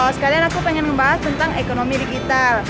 sekalian aku pengen membahas tentang ekonomi digital